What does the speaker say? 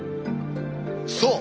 そう！